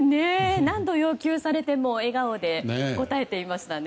何度要求されても笑顔で応えていましたね。